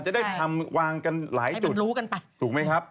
จะได้ทำวางกันหลายจุด